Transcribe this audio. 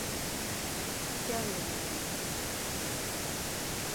kiokengen alenvhi kiichilil.